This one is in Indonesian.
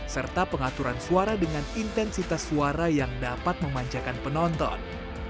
serta pengaturan suara dengan intensitas suara yang dapat memanjakan penonton